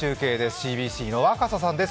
ＣＢＣの若狭さんです。